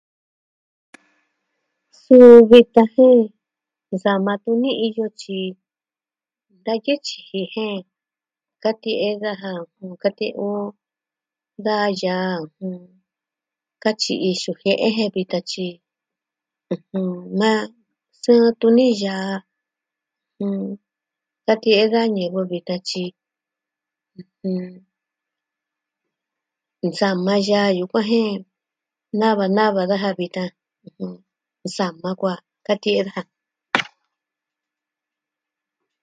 Suu, vitan jen nsama tuni iyo tyi da kivɨ tyiji jen katie'e daja, katie'e o, da yaa, katyi'i xujie'e je vitan tyi, maa sɨɨn tuni yaa. jɨn. Katie'e da ñivɨ vitan tyi... ɨjɨn... nsama yaa yukuan jen nava nava daja vitan. Nsama kuaa katie'e daja.